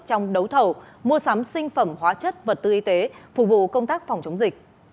trong đấu thầu mua sắm sinh phẩm hóa chất vật tư y tế phục vụ công tác phòng chống dịch